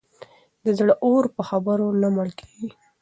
د زړه اور په خبرو نه مړ کېږي.